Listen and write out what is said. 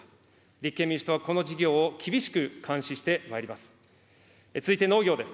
立憲民主党はこの事業を厳しく監視してまいります。